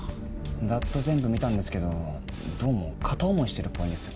ざっと全部見たんですけどどうも片思いしてるっぽいんですよ。